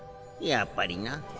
やっぱりな。